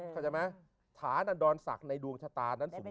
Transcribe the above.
เข้าใจไหมถานะดอนศักดิ์ในดวงชะตานั้นสรุปโต